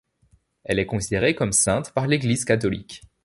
Elle est considérée comme sainte par l'Église catholique.